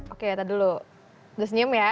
oke kita dulu udah senyum ya satu dua tiga